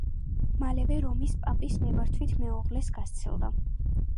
მალევე რომის პაპის ნებართვით მეუღლეს გასცილდა.